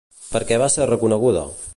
Per què va ser reconeguda?